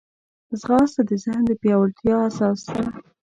ځغاسته د ذهن د پیاوړتیا اساس ده